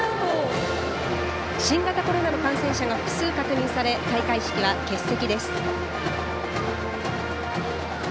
新型コロナの感染者が複数確認され開会式は欠席です。